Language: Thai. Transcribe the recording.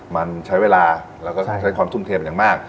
มันใช้เวลาแล้วก็ใช้ความทุ่มเทเป็นอย่างมาก